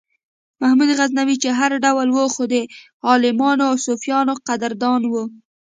محمود غزنوي چې هر ډول و خو د عالمانو او صوفیانو قدردان و.